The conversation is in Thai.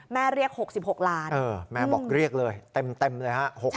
เรียก๖๖ล้านแม่บอกเรียกเลยเต็มเลยฮะ